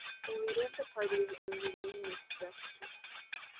The leader of the party is Angele Mitreski.